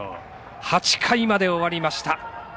８回まで終わりました。